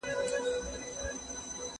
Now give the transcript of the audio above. په خپل ځان پسي یې بنده حُجره کړه